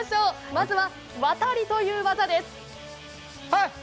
まずは、渡りという技です。